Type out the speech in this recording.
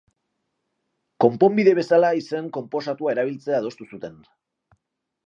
Konponbide bezala izen konposatua erabiltzea adostu zuten.